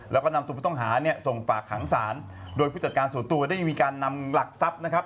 แล้วก็นำตัวผู้ต้องหาเนี่ยส่งฝากหางศาลโดยผู้จัดการส่วนตัวได้ยังมีการนำหลักทรัพย์นะครับ